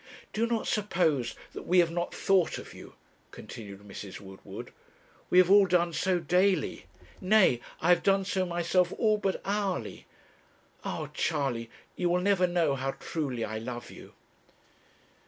'Do not suppose that we have not thought of you,' continued Mrs. Woodward.' We have all done so daily. Nay, I have done so myself all but hourly. Ah, Charley, you will never know how truly I love you.'